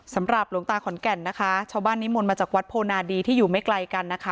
สำหรับหลวงตาขอนแก่นนะคะชาวบ้านนิมนต์มาจากวัดโพนาดีที่อยู่ไม่ไกลกันนะคะ